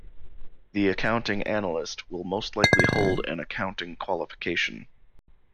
The accounting analyst will most likely hold an accounting qualification.